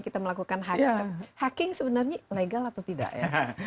kita melakukan hacking sebenarnya legal atau tidak ya